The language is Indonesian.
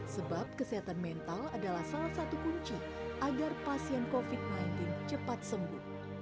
sebab kesehatan mental adalah salah satu kunci agar pasien covid sembilan belas cepat sembuh